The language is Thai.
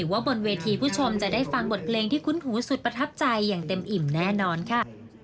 ว่าบนเวทีผู้ชมจะได้ฟังบทเพลงที่คุ้นหูสุดประทับใจอย่างเต็มอิ่มแน่นอนค่ะ